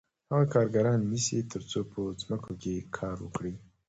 هغه کارګران نیسي تر څو په ځمکو کې کار وکړي